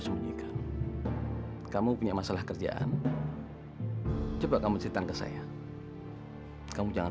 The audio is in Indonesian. sembunyikan kamu punya masalah kerjaan coba kamu ceritakan ke saya kamu jangan